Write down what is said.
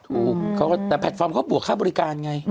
ถูกแต่แพลตฟอร์มเขาบวกค่าบริการไง